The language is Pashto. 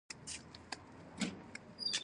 دا وګړي له ګڼو ستونزو سره مخ دي.